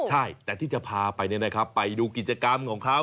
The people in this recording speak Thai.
ใช่แต่ที่จะพาไปเนี่ยนะครับไปดูกิจกรรมของเขา